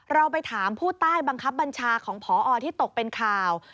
เราไปถามผู้ใต้บังคับบัญชาของพอที่ตกเป็นข่าว